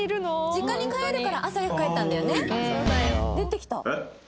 実家に帰るから朝早く帰ったんだよね？